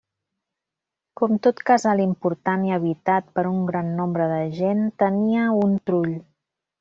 Com tot casal important i habitat per un gran nombre de gent, tenia un trull.